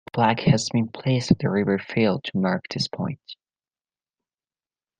A plaque has been placed at the River Feale to mark this point.